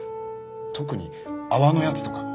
特に泡のやつとか